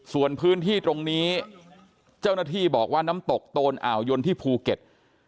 ส่วนพื้นที่ตรงนี้เจ้าหน้าที่บอกว่าน้ำตกโตนอ่าวยนที่ภูเก็ต